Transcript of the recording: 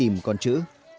đi tìm con chữ